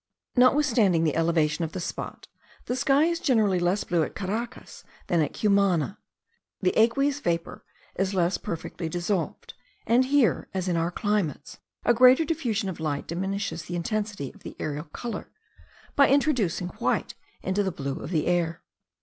Notwithstanding the elevation of the spot, the sky is generally less blue at Caracas than at Cumana. The aqueous vapour is less perfectly dissolved; and here, as in our climates, a greater diffusion of light diminishes the intensity of the aerial colour, by introducing white into the blue of the air.